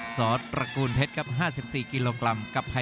รับทราบบรรดาศักดิ์